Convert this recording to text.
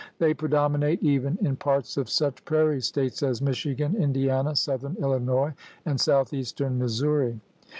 They predominate even in parts of such prairie States as Michigan, Indiana, southern Illinois, and southeastern Mis souri.